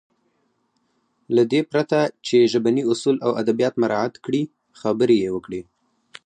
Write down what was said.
له دې پرته چې ژبني اصول او ادبيات مراعت کړي خبرې يې وکړې.